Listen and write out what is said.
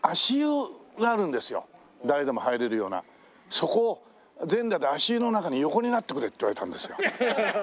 そこを全裸で足湯の中に横になってくれって言われたんですよ。